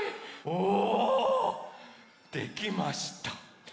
おおできました！